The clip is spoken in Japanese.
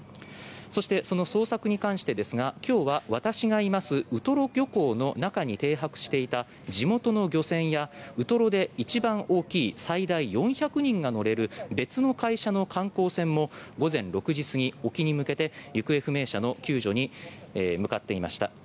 そして、その捜索に関してですが今日は私がいますウトロ港の中に停泊していた地元の漁船やウトロで一番大きい最大４００人が乗れる別の会社の観光船も午前６時過ぎ沖に向けて行方不明者の救助に向かっていました。